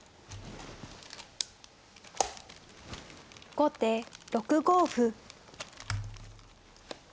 後手６五歩。